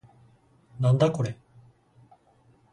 なんだこれ